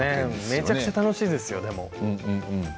めちゃめちゃ楽しいですよ。